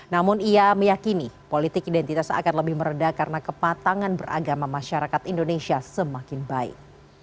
namun ia meyakini politik identitas akan lebih meredah karena kepatangan beragama masyarakat indonesia semakin baik